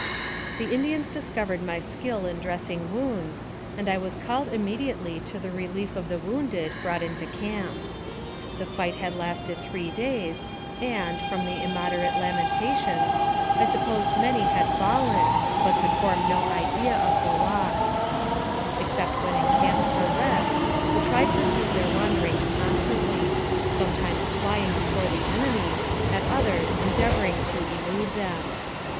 The Indians discovered my skill in dressing wounds, and I was called immediately to the relief of the wounded brought into camp. The fight had lasted three days, and, from the im moderate lamentations, I supposed many had fallen, but could form no idea of the loss, Except when encamped for rest, the tribe pursued their wanderings constantly; sometimes flying before the enemy, at others endeavoring to elude them.